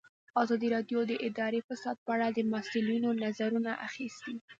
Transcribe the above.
ازادي راډیو د اداري فساد په اړه د مسؤلینو نظرونه اخیستي.